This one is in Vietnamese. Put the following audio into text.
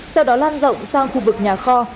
sau đó lan rộng sang khu vực nhà kho